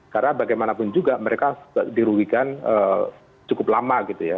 karena bagaimanapun juga mereka dirugikan cukup lama gitu ya